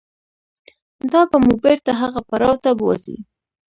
دا به مو بېرته هغه پړاو ته بوځي.